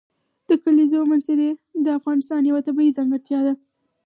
د کلیزو منظره د افغانستان یوه طبیعي ځانګړتیا ده.